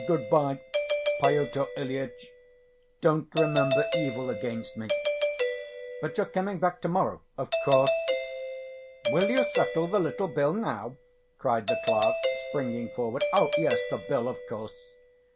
Good‐by, Pyotr Ilyitch, don't remember evil against me." "But you're coming back to‐morrow?" "Of course." "Will you settle the little bill now?" cried the clerk, springing forward. "Oh, yes, the bill. Of course."